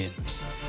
ini adalah test ini